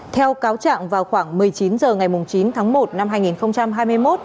theo cáo trạng vào khoảng một mươi chín h ngày chín tháng một năm hai nghìn hai mươi một